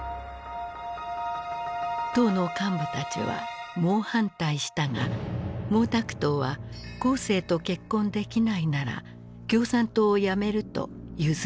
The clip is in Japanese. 党の幹部たちは猛反対したが毛沢東は江青と結婚できないなら共産党を辞めると譲らなかった。